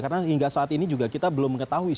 karena hingga saat ini juga kita belum mengetahui